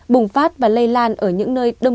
bùng phát và lây lan ở những nơi đông